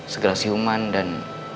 segera siuman dan